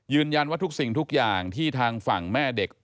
เพราะฉะนั้นว่าทุกสิ่งทุกอย่างที่ทางฝั่งแม่เด็ก